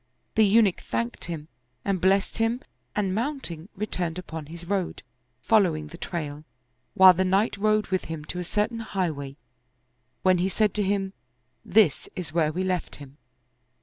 The Eunuch thanked him and blessed him and mounting, returned upon his road, fol lowing the trail, while the knight rode with him to a cer tain highway, when he said to him, " This is where we left him."